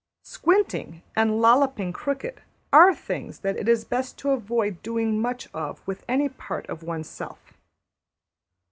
'' Squinting and lolloping crooked are things that it is best to avoid doing much of with any part of one's self.